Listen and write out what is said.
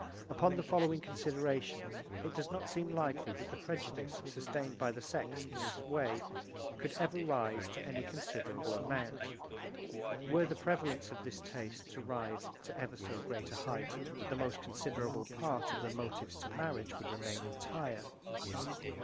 Upon the following considerations it does not seem likely that the prejudice sustained by the sex in this way could ever rise to any considerable amount. Were the prevalence of this taste to rise to ever so great a height the most considerable part of the motives to marriage would remain entire.